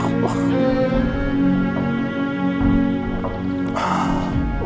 mama gak mau bantuin kamu